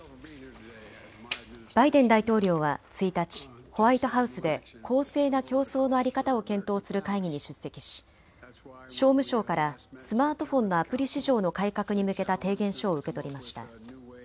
バイデン大統領は１日、ホワイトハウスで公正な競争の在り方を検討する会議に出席し商務省からスマートフォンのアプリ市場の改革に向けた提言書を受け取りました。